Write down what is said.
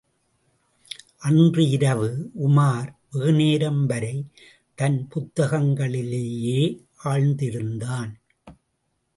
அன்று இரவு உமார் வெகுநேரம் வரை தன் புத்தகங்களிலேயே ஆழ்ந்திருந்தான்.